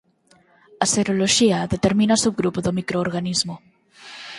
A seroloxía determina o subgrupo do microorganismo.